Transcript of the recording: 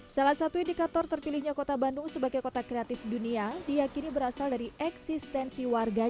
salah satu indikator terpilihnya kota bandung sebagai kota kreatif dunia diakini berasal dari eksistensi warga